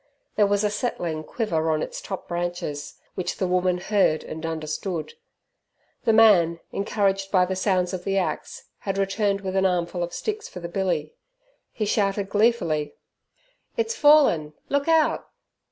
There was a "settling" quiver on its top branches, which the woman heard and understood. The man, encouraged by the sounds of the axe, had returned with an armful of sticks for the billy. He shouted gleefully, "It's fallin', look out."